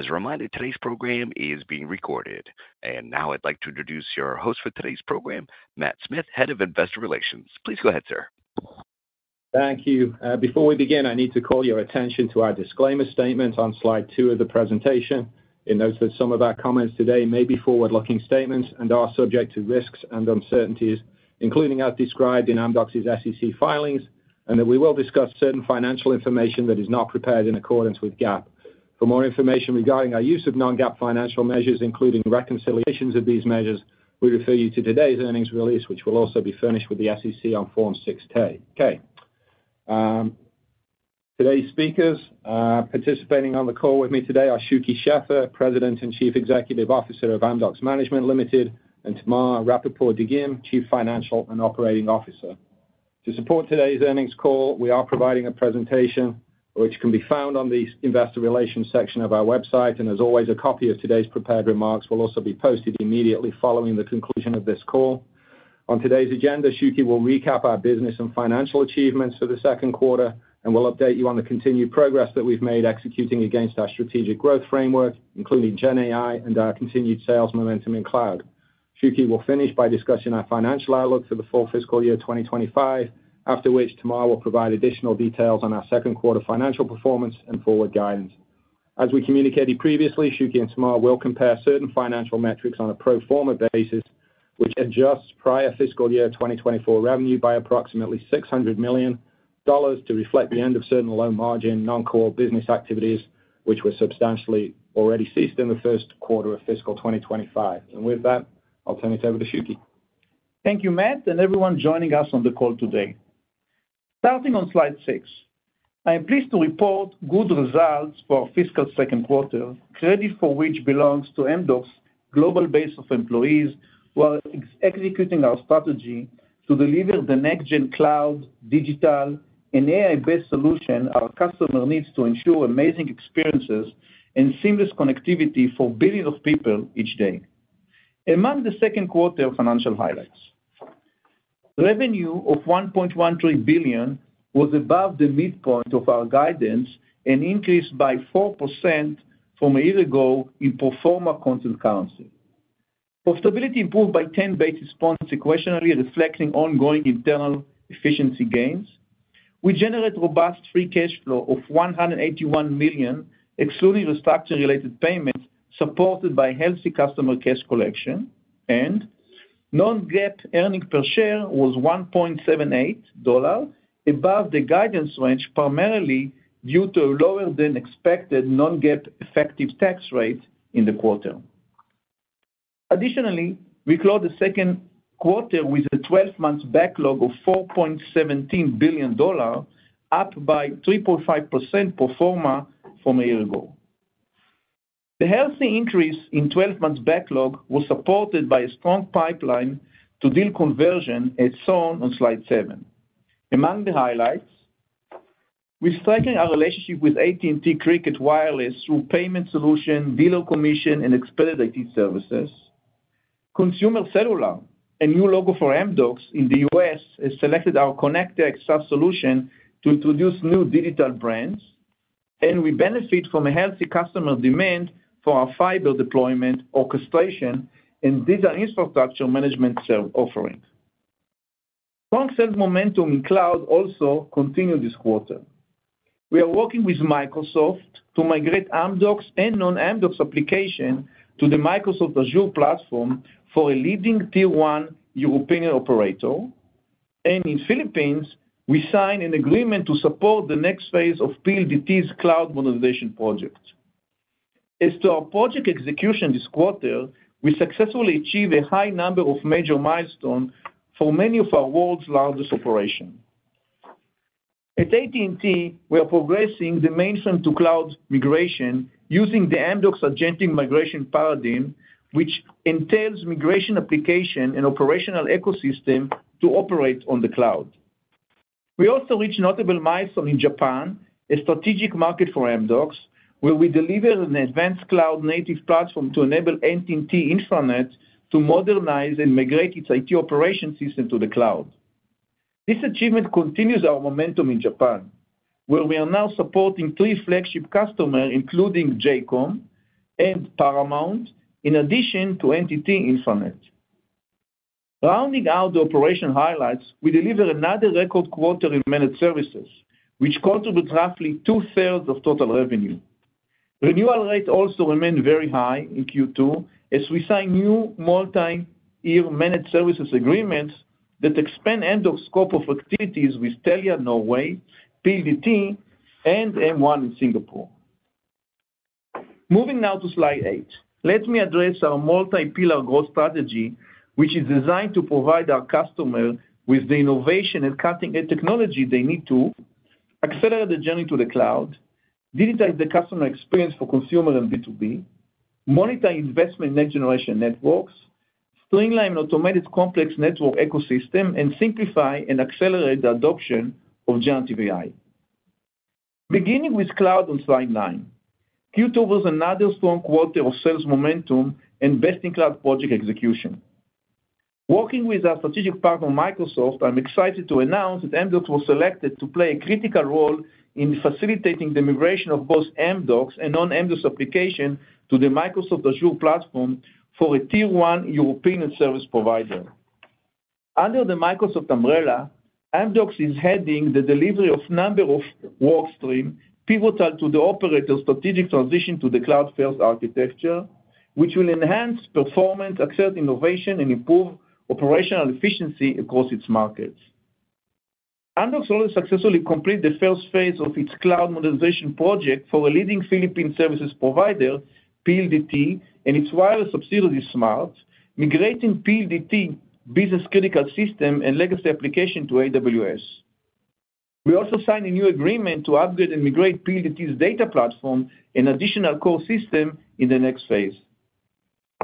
As a reminder, today's program is being recorded. Now I'd like to introduce your host for today's program, Matt Smith, Head of Investor Relations. Please go ahead, sir. Thank you. Before we begin, I need to call your attention to our disclaimer statement on slide two of the presentation. It notes that some of our comments today may be forward-looking statements and are subject to risks and uncertainties, including as described in Amdocs's SEC filings, and that we will discuss certain financial information that is not prepared in accordance with GAAP. For more information regarding our use of non-GAAP financial measures, including reconciliations of these measures, we refer you to today's earnings release, which will also be furnished with the SEC on Form 6-K. Okay. Today's speakers participating on the call with me today are Shuky Sheffer, President and Chief Executive Officer of Amdocs Management Limited, and Tamar Rapaport-Dagim, Chief Financial and Operating Officer. To support today's earnings call, we are providing a presentation which can be found on the Investor Relations section of our website, and as always, a copy of today's prepared remarks will also be posted immediately following the conclusion of this call. On today's agenda, Shuky will recap our business and financial achievements for the second quarter and will update you on the continued progress that we've made executing against our strategic growth framework, including GenAI and our continued sales momentum in cloud. Shuky will finish by discussing our financial outlook for the full fiscal year 2025, after which Tamar will provide additional details on our second quarter financial performance and forward guidance. As we communicated previously, Shuky and Tamar will compare certain financial metrics on a pro forma basis, which adjusts prior fiscal year 2024 revenue by approximately $600 million to reflect the end of certain low-margin non-core business activities, which were substantially already ceased in the first quarter of fiscal 2025. With that, I'll turn it over to Shuky. Thank you, Matt, and everyone joining us on the call today. Starting on slide 6, I am pleased to report good results for fiscal second quarter, credit for which belongs to Amdocs' global base of employees while executing our strategy to deliver the next-gen cloud, digital, and AI-based solution our customer needs to ensure amazing experiences and seamless connectivity for billions of people each day. Among the second quarter financial highlights, revenue of $1.13 billion was above the midpoint of our guidance and increased by 4% from a year ago in pro forma constant currency. Profitability improved by 10 basis points sequentially, reflecting ongoing internal efficiency gains. We generated robust free cash flow of $181 million, excluding restructuring-related payments supported by healthy customer cash collection. Non-GAAP earnings per share was $1.78, above the guidance range primarily due to a lower-than-expected non-GAAP effective tax rate in the quarter. Additionally, we close the second quarter with a 12-month backlog of $4.17 billion, up by 3.5% pro forma from a year ago. The healthy increase in 12-month backlog was supported by a strong pipeline to deal conversion, as shown on slide seven. Among the highlights, we're strengthening our relationship with AT&T Cricket Wireless through payment solution, dealer commission, and expedited services. Consumer Cellular, a new logo for Amdocs in the U.S., has selected our connectX subsolution to introduce new digital brands. We benefit from a healthy customer demand for our fiber deployment, orchestration, and digital infrastructure management offering. Strong sales momentum in cloud also continued this quarter. We are working with Microsoft to migrate Amdocs and non-Amdocs applications to the Microsoft Azure platform for a leading Tier-1 European operator. In the Philippines, we signed an agreement to support the next phase of PLDT's cloud modernization project. As to our project execution this quarter, we successfully achieved a high number of major milestones for many of our world's largest operations. At AT&T, we are progressing the mainstream-to-cloud migration using the Amdocs' agentic migration paradigm, which entails migration application and operational ecosystem to operate on the cloud. We also reached notable milestones in Japan, a strategic market for Amdocs, where we delivered an advanced cloud-native platform to enable NTT InfraNet to modernize and migrate its IT operation system to the cloud. This achievement continues our momentum in Japan, where we are now supporting three flagship customers, including JCOM and Paramount, in addition to NTT InfraNet. Rounding out the operation highlights, we deliver another record quarter in managed services, which contributes roughly two-thirds of total revenue. Renewal rates also remain very high in Q2, as we signed new multi-year managed services agreements that expand Amdocs' scope of activities with Telia Norway, PLDT, and M1 in Singapore. Moving now to slide 8, let me address our multi-pillar growth strategy, which is designed to provide our customers with the innovation and cutting-edge technology they need to accelerate the journey to the cloud, digitize the customer experience for consumers and B2B, monitor investment in next-generation networks, streamline automated complex network ecosystem, and simplify and accelerate the adoption of generative AI. Beginning with cloud on slide nine, Q2 was another strong quarter of sales momentum and best-in-class project execution. Working with our strategic partner, Microsoft, I'm excited to announce that Amdocs was selected to play a critical role in facilitating the migration of both Amdocs and non-Amdocs applications to the Microsoft Azure platform for a tier-one European service provider. Under the Microsoft umbrella, Amdocs is heading the delivery of a number of work streams pivotal to the operator's strategic transition to the cloud-first architecture, which will enhance performance, accelerate innovation, and improve operational efficiency across its markets. Amdocs also successfully completed the first phase of its cloud modernization project for a leading Philippine service provider, PLDT, and its wireless subsidiary, Smart, migrating PLDT's business-critical system and legacy application to AWS. We also signed a new agreement to upgrade and migrate PLDT's data platform and additional core system in the next phase.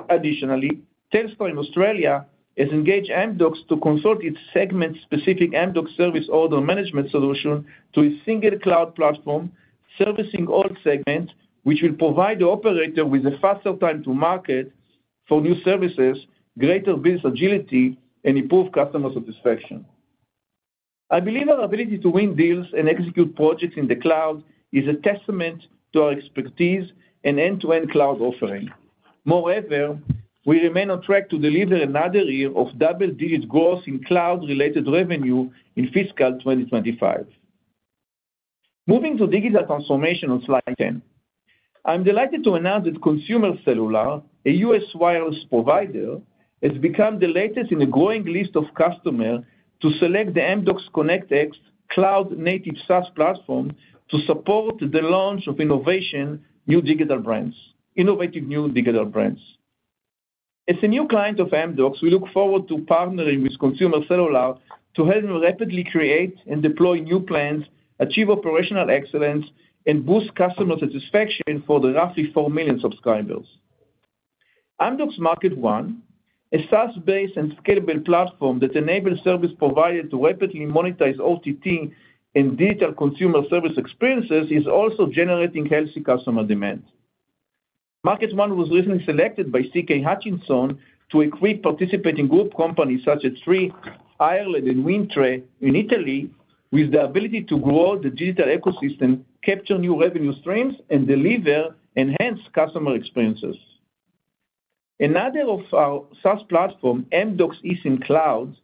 Additionally, Telstra in Australia has engaged Amdocs to consult its segment-specific Amdocs service order management solution to a single cloud platform servicing all segments, which will provide the operator with a faster time to market for new services, greater business agility, and improved customer satisfaction. I believe our ability to win deals and execute projects in the cloud is a testament to our expertise and end-to-end cloud offering. Moreover, we remain on track to deliver another year of double-digit growth in cloud-related revenue in fiscal 2025. Moving to digital transformation on slide 10, I'm delighted to announce that Consumer Cellular, a U.S. wireless provider, has become the latest in a growing list of customers to select the Amdocs connectX cloud-native SaaS platform to support the launch of innovative new digital brands. As a new client of Amdocs, we look forward to partnering with Consumer Cellular to help them rapidly create and deploy new plans, achieve operational excellence, and boost customer satisfaction for the roughly 4 million subscribers. Amdocs marketONE, a SaaS-based and scalable platform that enables service providers to rapidly monetize OTT and digital consumer service experiences, is also generating healthy customer demand. marketONE was recently selected by CK Hutchison to equip participating group companies such as Three Ireland and Wind Tre in Italy with the ability to grow the digital ecosystem, capture new revenue streams, and deliver enhanced customer experiences. Another of our SaaS platforms, Amdocs' eSIM cloud,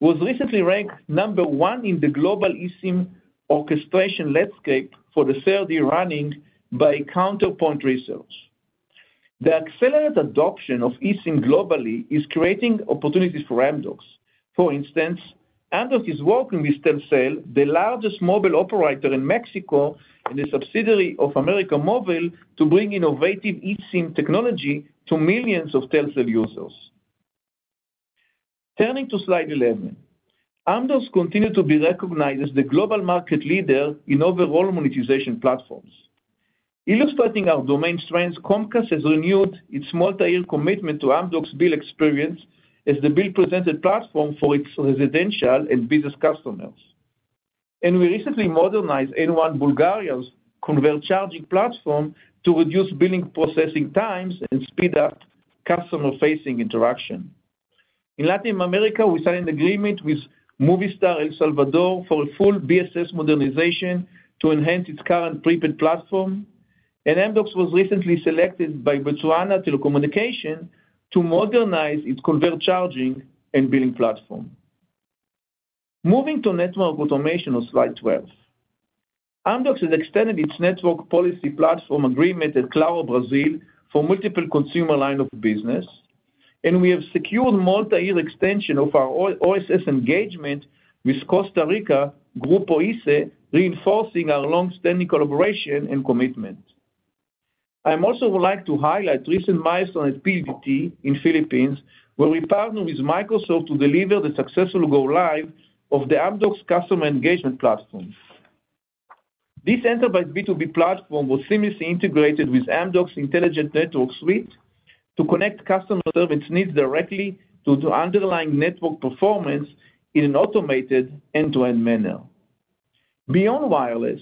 was recently ranked number one in the global eSIM orchestration landscape for the third year running by Counterpoint Research. The accelerated adoption of eSIM globally is creating opportunities for Amdocs. For instance, Amdocs is working with Telcel, the largest mobile operator in Mexico and a subsidiary of América Móvil, to bring innovative eSIM technology to millions of Telcel users. Turning to slide 11, Amdocs continues to be recognized as the global market leader in overall monetization platforms. Illustrating our domain strengths, Comcast has renewed its multi-year commitment to Amdocs' Bill Experience as the bill-presentment platform for its residential and business customers. We recently modernized N1 Bulgaria's converged charging platform to reduce billing processing times and speed up customer-facing interaction. In Latin America, we signed an agreement with Movistar El Salvador for a full BSS modernization to enhance its current prepaid platform. Amdocs was recently selected by Botswana Telecommunications to modernize its converged charging and billing platform. Moving to network automation on slide 12, Amdocs has extended its network policy platform agreement at Claro Brazil for multiple consumer lines of business. We have secured a multi-year extension of our OSS engagement with Costa Rica, Grupo ICE, reinforcing our long-standing collaboration and commitment. I also would like to highlight recent milestones at PLDT in the Philippines, where we partnered with Microsoft to deliver the successful go-live of the Amdocs Customer Engagement Platform. This enterprise B2B platform was seamlessly integrated with Amdocs' Intelligent Network Suite to connect customer service needs directly to the underlying network performance in an automated end-to-end manner. Beyond wireless,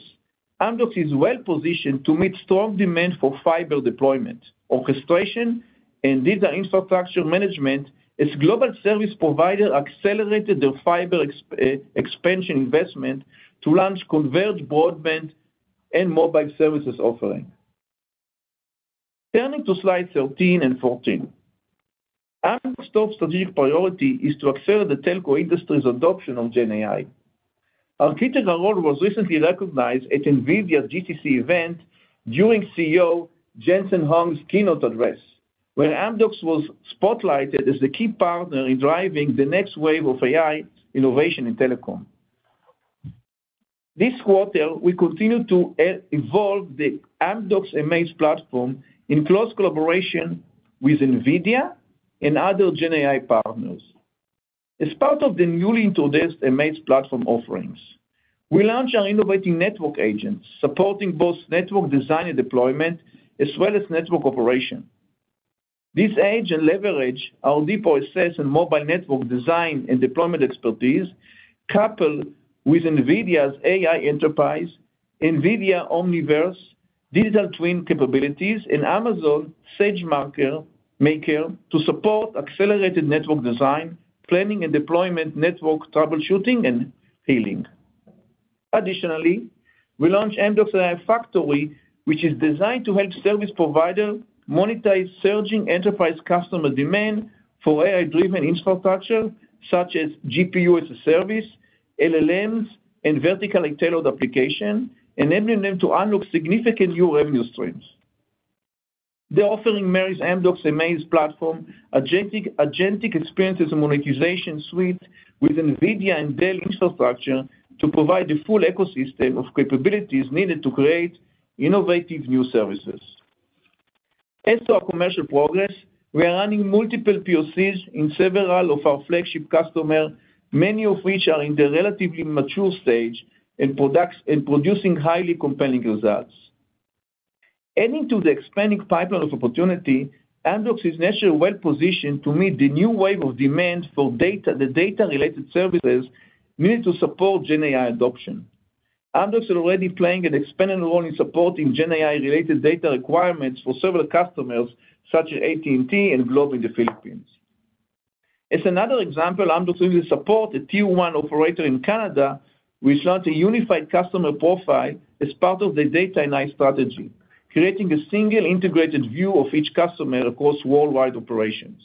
Amdocs is well-positioned to meet strong demand for fiber deployment, orchestration, and digital infrastructure management as a global service provider accelerated their fiber expansion investment to launch converged broadband and mobile services offering. Turning to slides 13 and 14, Amdocs' top strategic priority is to accelerate the telco industry's adoption of GenAI. Our critical role was recently recognized at the NVIDIA GTC event during CEO Jensen Huang's keynote address, where Amdocs was spotlighted as the key partner in driving the next wave of AI innovation in telecom. This quarter, we continue to evolve the Amdocs amAIz Platform in close collaboration with NVIDIA and other GenAI partners. As part of the newly introduced amAIz Platform offerings, we launch our innovative network agents supporting both network design and deployment, as well as network operation. This edge and leverage our deep OSS and mobile network design and deployment expertise coupled with NVIDIA's AI Enterprise, NVIDIA Omniverse Digital Twin Capabilities, and Amazon SageMaker to support accelerated network design, planning, and deployment, network troubleshooting and healing. Additionally, we launched Amdocs AI Factory, which is designed to help service providers monetize surging enterprise customer demand for AI-driven infrastructure such as GPU as a service, LLMs, and vertically tailored applications, enabling them to unlock significant new revenue streams. The offering marries Amdocs' amAIz Platform, agentic experiences, and monetization suite with NVIDIA and Dell infrastructure to provide the full ecosystem of capabilities needed to create innovative new services. As to our commercial progress, we are running multiple POCs in several of our flagship customers, many of which are in the relatively mature stage and producing highly compelling results. Adding to the expanding pipeline of opportunity, Amdocs is naturally well-positioned to meet the new wave of demand for data-related services needed to support GenAI adoption. Amdocs is already playing an expanded role in supporting GenAI-related data requirements for several customers such as AT&T and Globe in the Philippines. As another example, Amdocs will support a tier-one operator in Canada which launched a unified customer profile as part of the data and AI strategy, creating a single integrated view of each customer across worldwide operations.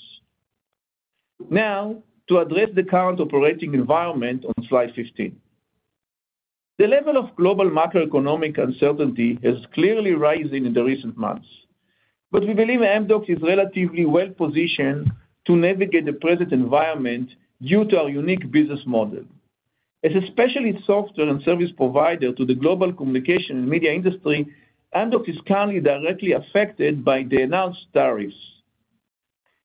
Now, to address the current operating environment on slide 15, the level of global macroeconomic uncertainty has clearly risen in the recent months. We believe Amdocs is relatively well-positioned to navigate the present environment due to our unique business model. As a specialist software and service provider to the global communication and media industry, Amdocs is currently directly affected by the announced tariffs.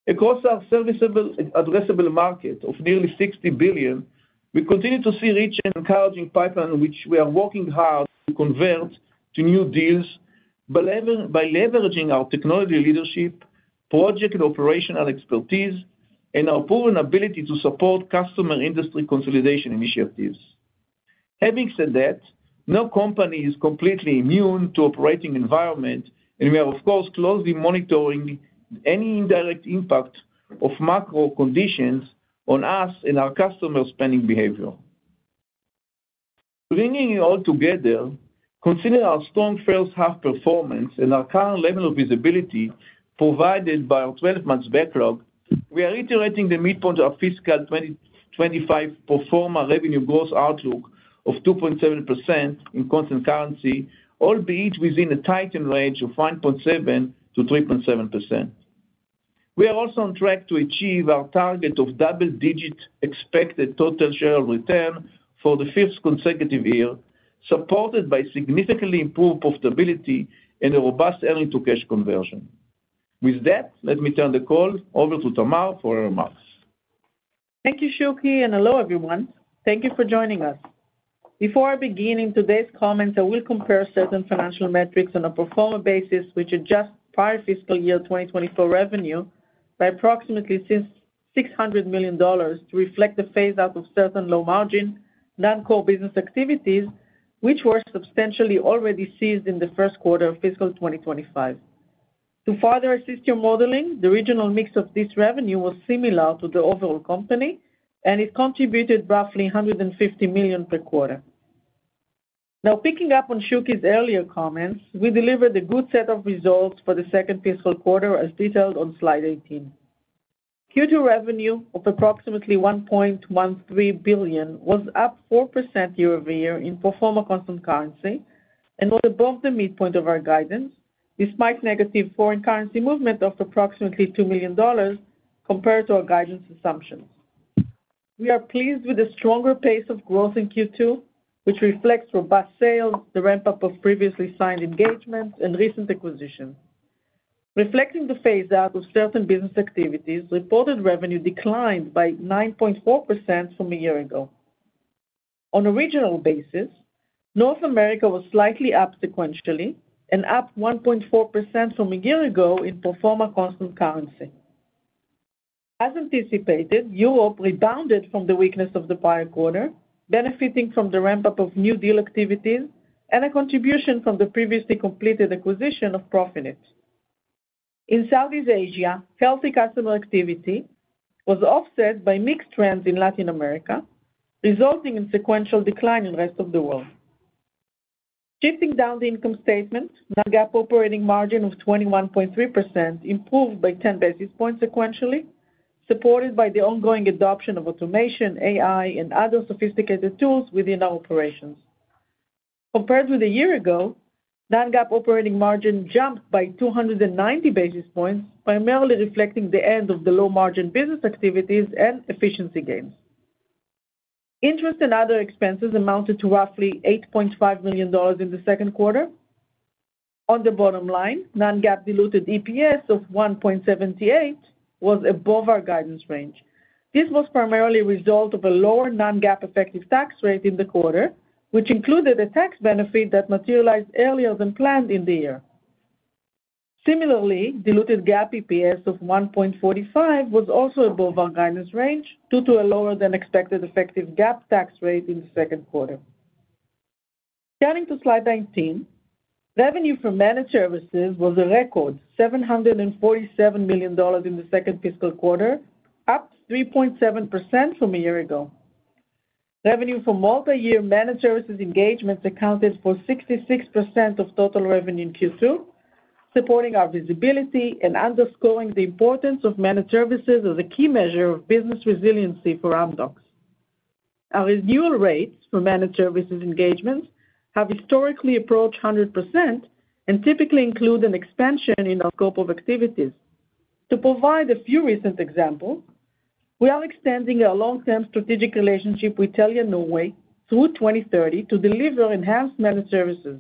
Across our service-addressable market of nearly $60 billion, we continue to see a rich and encouraging pipeline which we are working hard to convert to new deals by leveraging our technology leadership, project and operational expertise, and our proven ability to support customer industry consolidation initiatives. Having said that, no company is completely immune to the operating environment, and we are, of course, closely monitoring any indirect impact of macro conditions on us and our customers' spending behavior. Bringing it all together, considering our strong first-half performance and our current level of visibility provided by our 12-month backlog, we are reiterating the midpoint of our fiscal 2025 pro forma revenue growth outlook of 2.7% in constant currency, albeit within a tightened range of 1.7%-3.7%. We are also on track to achieve our target of double-digit expected total shareholder return for the fifth consecutive year, supported by significantly improved profitability and a robust earnings-to-cash conversion. With that, let me turn the call over to Tamar for her remarks. Thank you, Shuky, and hello, everyone. Thank you for joining us. Before I begin today's comments, I will compare certain financial metrics on a pro forma basis, which adjust prior fiscal year 2024 revenue by approximately $600 million to reflect the phase-out of certain low-margin non-core business activities, which were substantially already ceased in the first quarter of fiscal 2025. To further assist your modeling, the regional mix of this revenue was similar to the overall company, and it contributed roughly $150 million per quarter. Now, picking up on Shuky's earlier comments, we delivered a good set of results for the second fiscal quarter, as detailed on slide 18. Q2 revenue of approximately $1.13 billion was up 4% year-over-year in performer constant currency and was above the midpoint of our guidance, despite negative foreign currency movement of approximately $2 million compared to our guidance assumptions. We are pleased with the stronger pace of growth in Q2, which reflects robust sales, the ramp-up of previously signed engagements, and recent acquisitions. Reflecting the phase-out of certain business activities, reported revenue declined by 9.4% from a year ago. On a regional basis, North America was slightly up sequentially and up 1.4% from a year ago in performer constant currency. As anticipated, Europe rebounded from the weakness of the prior quarter, benefiting from the ramp-up of new deal activities and a contribution from the previously completed acquisition of Profinit. In Southeast Asia, healthy customer activity was offset by mixed trends in Latin America, resulting in a sequential decline in the rest of the world. Shifting down the income statement, an operating margin of 21.3% improved by 10 basis points sequentially, supported by the ongoing adoption of automation, AI, and other sophisticated tools within our operations. Compared with a year ago, an operating margin jumped by 290 basis points, primarily reflecting the end of the low-margin business activities and efficiency gains. Interest and other expenses amounted to roughly $8.5 million in the second quarter. On the bottom line, a non-GAAP diluted EPS of 1.78 was above our guidance range. This was primarily a result of a lower non-GAAP effective tax rate in the quarter, which included a tax benefit that materialized earlier than planned in the year. Similarly, diluted GAAP EPS of $1.45 was also above our guidance range due to a lower-than-expected effective GAAP tax rate in the second quarter. Turning to slide 19, revenue from managed services was a record $747 million in the second fiscal quarter, up 3.7% from a year ago. Revenue from multi-year managed services engagements accounted for 66% of total revenue in Q2, supporting our visibility and underscoring the importance of managed services as a key measure of business resiliency for Amdocs. Our renewal rates for managed services engagements have historically approached 100% and typically include an expansion in our scope of activities. To provide a few recent examples, we are extending our long-term strategic relationship with Telia Norway through 2030 to deliver enhanced managed services.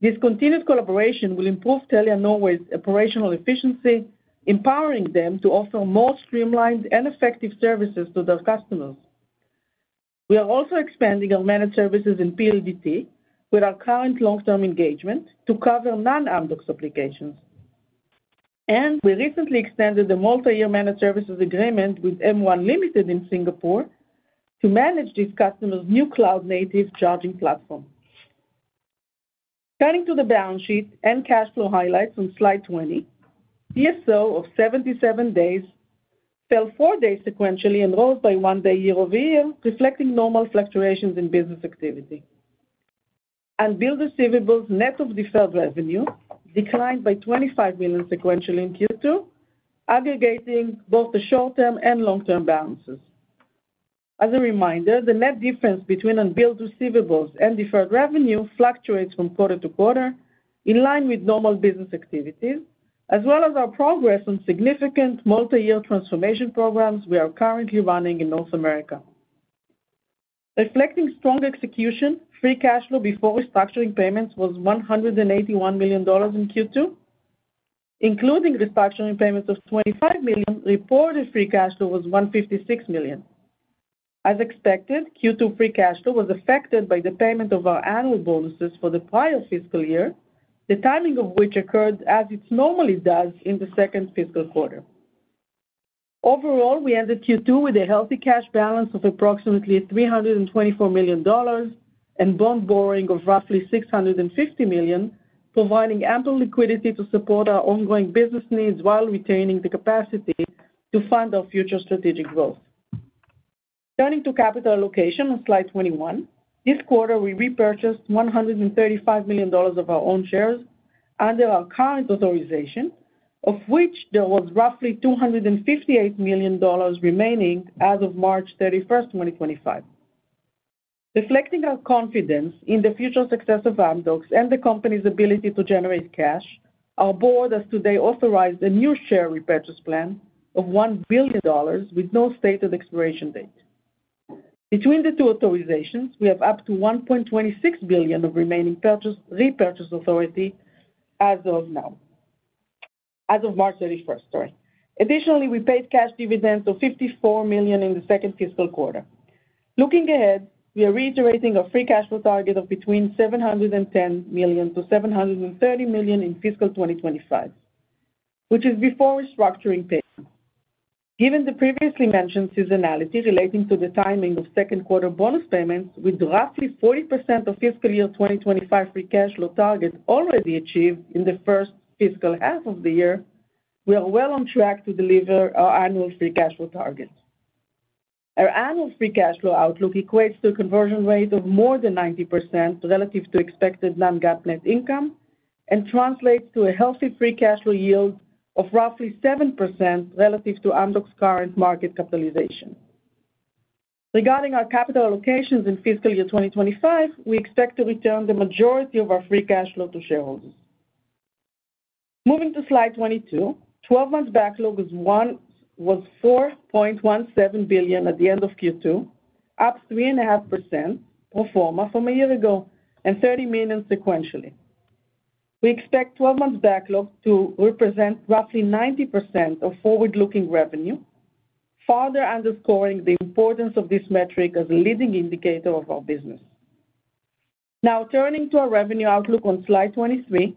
This continued collaboration will improve Telia Norway's operational efficiency, empowering them to offer more streamlined and effective services to their customers. We are also expanding our managed services in PLDT with our current long-term engagement to cover non-Amdocs applications. We recently extended the multi-year managed services agreement with M1 Limited in Singapore to manage these customers' new cloud-native charging platform. Turning to the balance sheet and cash flow highlights on slide 20, PSO of 77 days fell four days sequentially and rose by one day year-over-year, reflecting normal fluctuations in business activity. Unbilled receivables net of deferred revenue declined by $25 million sequentially in Q2, aggregating both the short-term and long-term balances. As a reminder, the net difference between unbilled receivables and deferred revenue fluctuates from quarter to quarter in line with normal business activities, as well as our progress on significant multi-year transformation programs we are currently running in North America. Reflecting strong execution, free cash flow before restructuring payments was $181 million in Q2. Including restructuring payments of $25 million, reported free cash flow was $156 million. As expected, Q2 free cash flow was affected by the payment of our annual bonuses for the prior fiscal year, the timing of which occurred as it normally does in the second fiscal quarter. Overall, we ended Q2 with a healthy cash balance of approximately $324 million and bond borrowing of roughly $650 million, providing ample liquidity to support our ongoing business needs while retaining the capacity to fund our future strategic growth. Turning to capital allocation on slide 21, this quarter, we repurchased $135 million of our own shares under our current authorization, of which there was roughly $258 million remaining as of March 31st, 2025. Reflecting our confidence in the future success of Amdocs and the company's ability to generate cash, our board has today authorized a new share repurchase plan of $1 billion with no stated expiration date. Between the two authorizations, we have up to $1.26 billion of remaining repurchase authority as of March 31st. Additionally, we paid cash dividends of $54 million in the second fiscal quarter. Looking ahead, we are reiterating our free cash flow target of between $710 million-$730 million in fiscal 2025, which is before restructuring payments. Given the previously mentioned seasonality relating to the timing of second quarter bonus payments, with roughly 40% of fiscal year 2025 free cash flow target already achieved in the first fiscal half of the year, we are well on track to deliver our annual free cash flow target. Our annual free cash flow outlook equates to a conversion rate of more than 90% relative to expected non-GAAP net income and translates to a healthy free cash flow yield of roughly 7% relative to Amdocs' current market capitalization. Regarding our capital allocations in fiscal year 2025, we expect to return the majority of our free cash flow to shareholders. Moving to slide 22, 12-month backlog was $4.17 billion at the end of Q2, up 3.5% from a year ago, and $30 million sequentially. We expect 12-month backlog to represent roughly 90% of forward-looking revenue, further underscoring the importance of this metric as a leading indicator of our business. Now, turning to our revenue outlook on slide 23,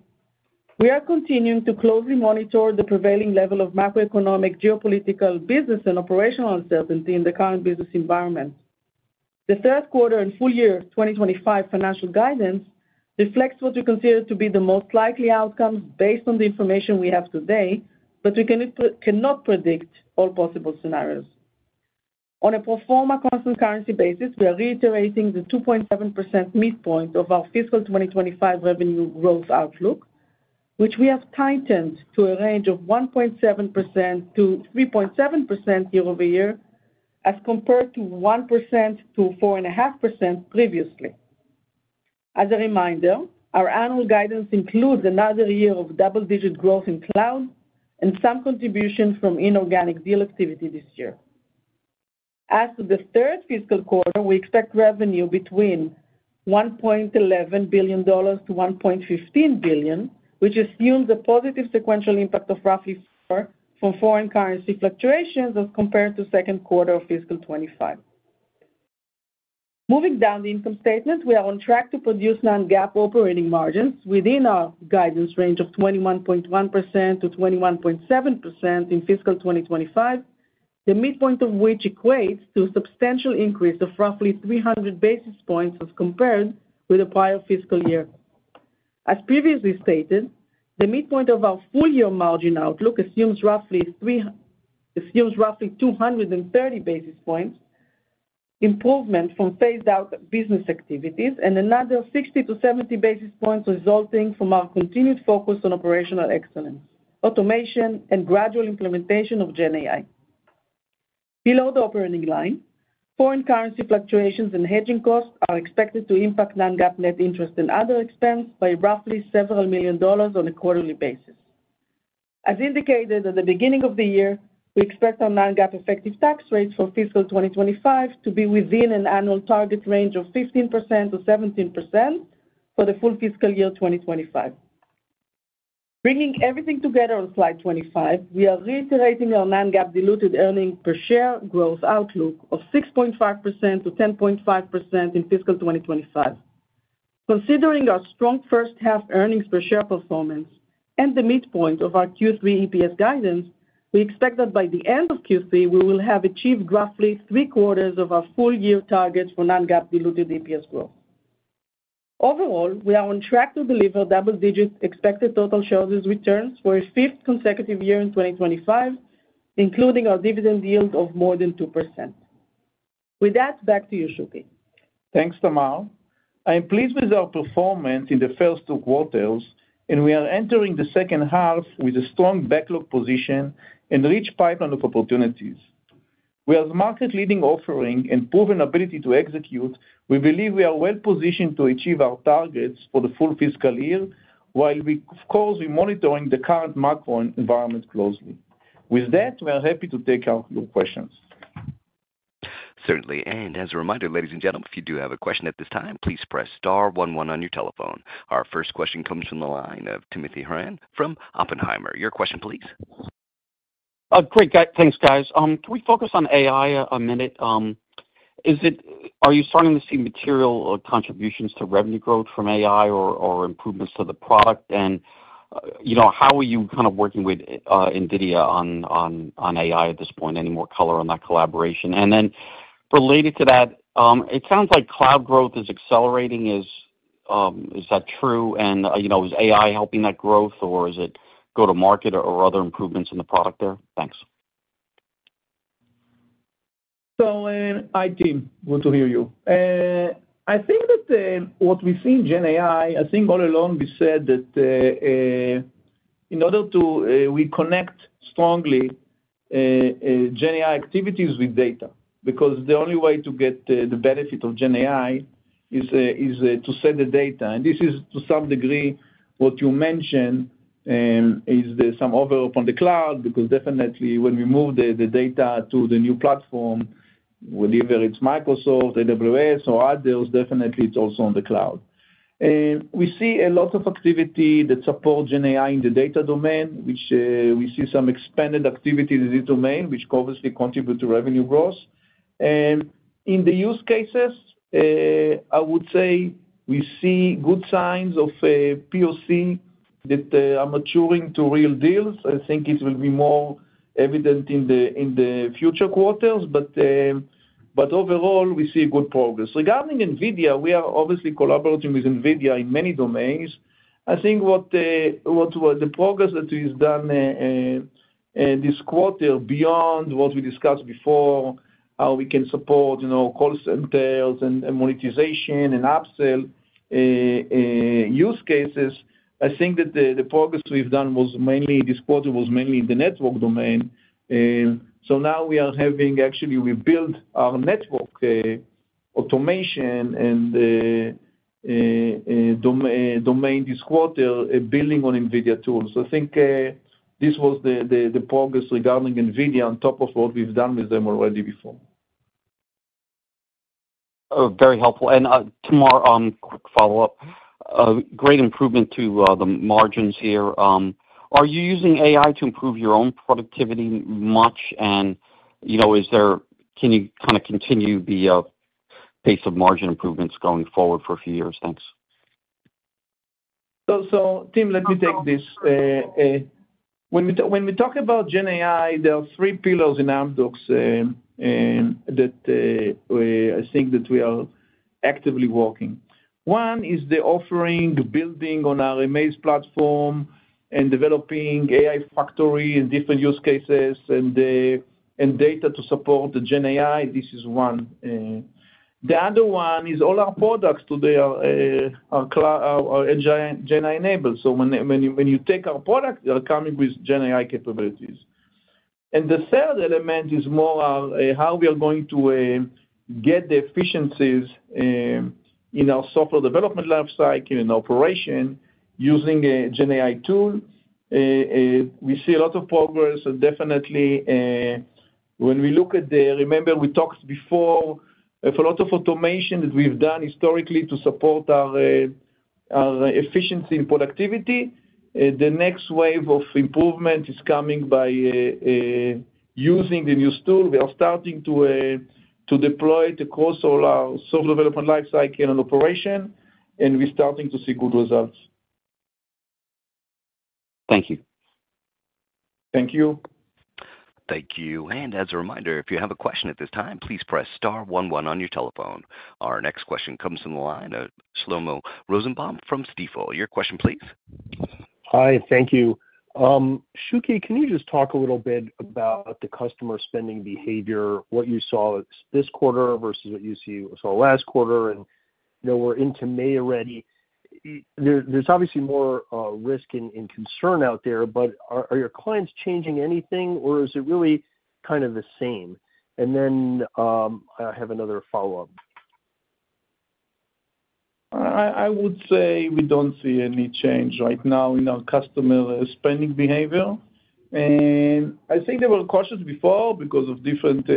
we are continuing to closely monitor the prevailing level of macroeconomic, geopolitical, business, and operational uncertainty in the current business environment. The third quarter and full year 2025 financial guidance reflects what we consider to be the most likely outcomes based on the information we have today, but we cannot predict all possible scenarios. On a pro forma constant currency basis, we are reiterating the 2.7% midpoint of our fiscal 2025 revenue growth outlook, which we have tightened to a range of 1.7%-3.7% year-over-year as compared to 1%-4.5% previously. As a reminder, our annual guidance includes another year of double-digit growth in cloud and some contribution from inorganic deal activity this year. As for the third fiscal quarter, we expect revenue between $1.11 billion-$1.15 billion, which assumes a positive sequential impact of roughly $4 million from foreign currency fluctuations as compared to the second quarter of fiscal 2025. Moving down the income statement, we are on track to produce non-GAAP operating margins within our guidance range of 21.1%-21.7% in fiscal 2025, the midpoint of which equates to a substantial increase of roughly 300 basis points as compared with the prior fiscal year. As previously stated, the midpoint of our full year margin outlook assumes roughly 230 basis points improvement from phased-out business activities and another 60-70 basis points resulting from our continued focus on operational excellence, automation, and gradual implementation of GenAI. Below the operating line, foreign currency fluctuations and hedging costs are expected to impact non-GAAP net interest and other expense by roughly several million dollars on a quarterly basis. As indicated at the beginning of the year, we expect our non-GAAP effective tax rates for fiscal 2025 to be within an annual target range of 15%-17% for the full fiscal year 2025. Bringing everything together on slide 25, we are reiterating our non-GAAP diluted earnings per share growth outlook of 6.5%-10.5% in fiscal 2025. Considering our strong first-half earnings per share performance and the midpoint of our Q3 EPS guidance, we expect that by the end of Q3, we will have achieved roughly three-quarters of our full year target for non-GAAP diluted EPS growth. Overall, we are on track to deliver double-digit expected total shareholders' returns for a fifth consecutive year in 2025, including our dividend yield of more than 2%. With that, back to you, Shuky. Thanks, Tamar. I am pleased with our performance in the first two quarters, and we are entering the second half with a strong backlog position and a rich pipeline of opportunities. With our market-leading offering and proven ability to execute, we believe we are well positioned to achieve our targets for the full fiscal year, while we, of course, are monitoring the current macro environment closely. With that, we are happy to take your questions. Certainly. And as a reminder, ladies and gentlemen, if you do have a question at this time, please press star 11 on your telephone. Our first question comes from the line of Timothy Horan from Oppenheimer. Your question, please. Great. Thanks, guys. Can we focus on AI a minute? Are you starting to see material contributions to revenue growth from AI or improvements to the product? How are you kind of working with NVIDIA on AI at this point? Any more color on that collaboration? Related to that, it sounds like cloud growth is accelerating. Is that true? Is AI helping that growth, or is it go-to-market or other improvements in the product there? Thanks. I do want to hear you. I think that what we see in GenAI, I think all along we said that in order to reconnect strongly GenAI activities with data, because the only way to get the benefit of GenAI is to set the data. This is, to some degree, what you mentioned is some overlap on the cloud, because definitely when we move the data to the new platform, whether it's Microsoft, AWS, or others, definitely it's also on the cloud. We see a lot of activity that supports GenAI in the data domain, which we see some expanded activity in the domain, which obviously contributes to revenue growth. In the use cases, I would say we see good signs of POC that are maturing to real deals. I think it will be more evident in the future quarters, but overall, we see good progress. Regarding NVIDIA, we are obviously collaborating with NVIDIA in many domains. I think the progress that we've done this quarter, beyond what we discussed before, how we can support call centers and monetization and upsell use cases, I think that the progress we've done this quarter was mainly in the network domain. Now we are having actually rebuilt our network automation and domain this quarter, building on NVIDIA tools. I think this was the progress regarding NVIDIA on top of what we've done with them already before. Very helpful. Tamar, quick follow-up. Great improvement to the margins here. Are you using AI to improve your own productivity much? Can you kind of continue the pace of margin improvements going forward for a few years? Thanks. Tim, let me take this. When we talk about GenAI, there are three pillars in Amdocs that I think that we are actively working. One is the offering, building on our amAIz Platform and developing AI Factory and different use cases and data to support the GenAI. This is one. The other one is all our products today are GenAI-enabled. When you take our products, they are coming with GenAI capabilities. The third element is more how we are going to get the efficiencies in our software development lifecycle and operation using a GenAI tool. We see a lot of progress. When we look at the, remember, we talked before of a lot of automation that we have done historically to support our efficiency and productivity. The next wave of improvement is coming by using the new tool. We are starting to deploy it across all our software development lifecycle and operation, and we are starting to see good results. Thank you. Thank you. Thank you. As a reminder, if you have a question at this time, please press star one one on your telephone. Our next question comes from the line, Shlomo Rosenbaum from Stifel. Your question, please. Hi. Thank you. Shuky, can you just talk a little bit about the customer spending behavior, what you saw this quarter versus what you saw last quarter? We are into May already. There is obviously more risk and concern out there, but are your clients changing anything, or is it really kind of the same? I have another follow-up. I would say we do not see any change right now in our customer spending behavior. I think there were questions before because of different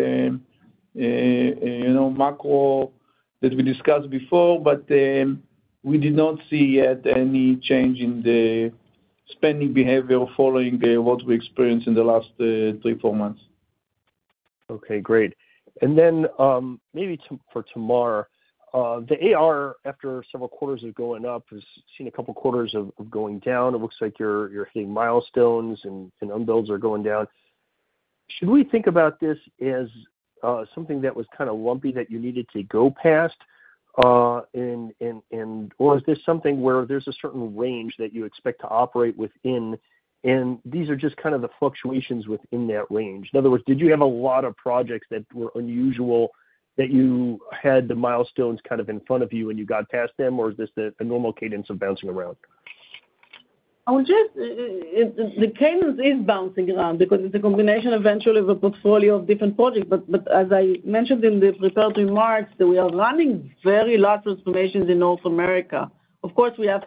macro that we discussed before, but we did not see yet any change in the spending behavior following what we experienced in the last 3, 4 months. Okay. Great. Maybe for Tamar, the AR, after several quarters of going up, has seen a couple of quarters of going down. It looks like you're hitting milestones, and unbilled are going down. Should we think about this as something that was kind of lumpy that you needed to go past, or is this something where there's a certain range that you expect to operate within? These are just kind of the fluctuations within that range. In other words, did you have a lot of projects that were unusual that you had the milestones kind of in front of you and you got past them, or is this a normal cadence of bouncing around? The cadence is bouncing around because it's a combination eventually of a portfolio of different projects. As I mentioned in the preparatory marks, we are running very large transformations in North America. Of course, we have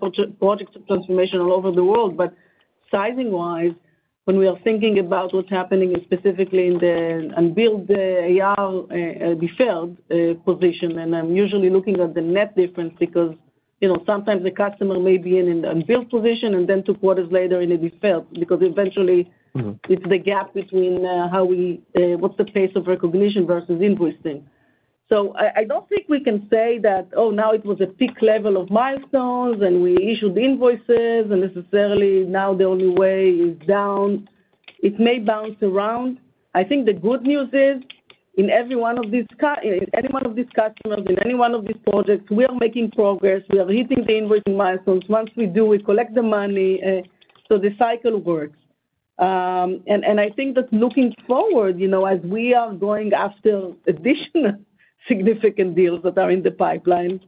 projects of transformation all over the world, but sizing-wise, when we are thinking about what's happening specifically in the unbilled AR, deferred position, and I'm usually looking at the net difference because sometimes the customer may be in an unbilled position and then two quarters later in a deferred because eventually it's the gap between what's the pace of recognition versus invoicing. I don't think we can say that, "Oh, now it was a peak level of milestones, and we issued invoices, and necessarily now the only way is down." It may bounce around. I think the good news is in any one of these customers, in any one of these projects, we are making progress. We are hitting the invoicing milestones. Once we do, we collect the money. The cycle works. I think that looking forward, as we are going after additional significant deals that are in the pipeline,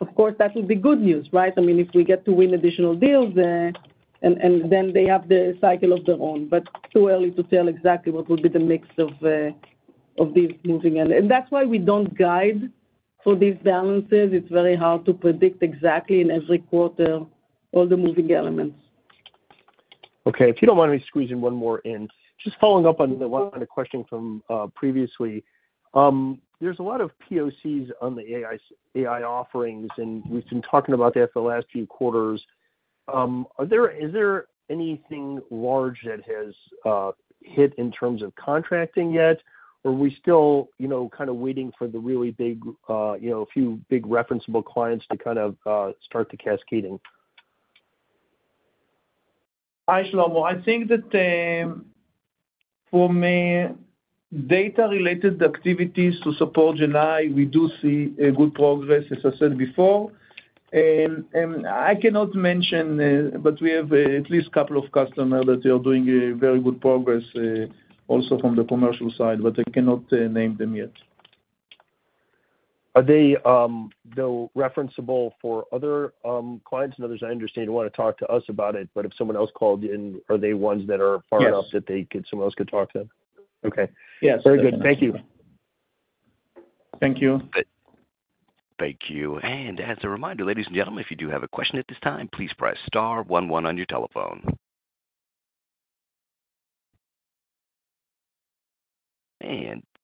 of course, that would be good news, right? I mean, if we get to win additional deals, and then they have the cycle of their own. Too early to tell exactly what would be the mix of these moving in. That is why we do not guide for these balances. It is very hard to predict exactly in every quarter all the moving elements. Okay. If you do not mind me squeezing one more in. Just following up on the question from previously, there is a lot of POCs on the AI offerings, and we have been talking about that for the last few quarters. Is there anything large that has hit in terms of contracting yet, or are we still kind of waiting for the really big, a few big referenceable clients to kind of start the cascading? Hi, Shlomo. I think that for me, data-related activities to support GenAI, we do see good progress, as I said before. And I cannot mention, but we have at least a couple of customers that are doing very good progress also from the commercial side, but I cannot name them yet. Are they referenceable for other clients? In other words, I understand you want to talk to us about it, but if someone else called in, are they ones that are far enough that someone else could talk to them? Okay. Yes. Very good. Thank you. Thank you. Thank you. As a reminder, ladies and gentlemen, if you do have a question at this time, please press star one one on your telephone.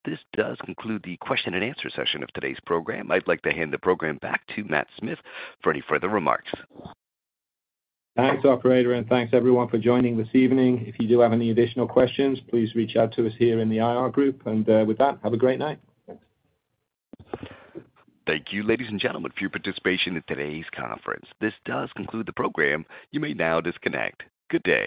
This does conclude the question and answer session of today's program. I'd like to hand the program back to Matt Smith for any further remarks. Thanks, Operator, and thanks everyone for joining this evening. If you do have any additional questions, please reach out to us here in the IR group. With that, have a great night. Thank you, ladies and gentlemen, for your participation in today's conference. This does conclude the program. You may now disconnect. Good day.